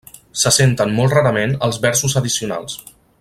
Se senten molt rarament els versos addicionals.